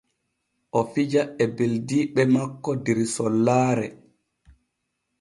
O fija e ɓeldiiɓe makko der sollaare.